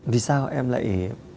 vì sao em lại